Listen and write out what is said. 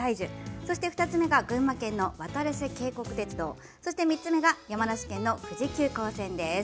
そして２つ目が群馬県のわたらせ渓谷鉄道３つ目が山梨県の富士急行線です。